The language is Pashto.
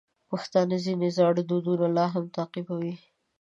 پښتانه ځینې زاړه دودونه لا هم تعقیبوي.